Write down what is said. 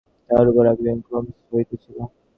তারপর উহার আকৃতি ক্রমশ বড় হইতেছিল।